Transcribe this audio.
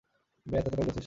ব্যাস, এতটাই যথেষ্ট!